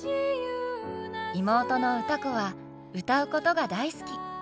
妹の歌子は歌うことが大好き。